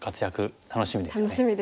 楽しみですね。